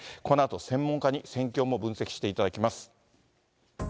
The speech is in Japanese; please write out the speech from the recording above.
このあと専門家に戦況も分析していただきます。